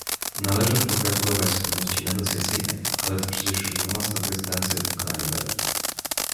Należy pogratulować sprawności negocjacyjnej, ale to przecież już dwunasta prezydencja w wykonaniu Belgii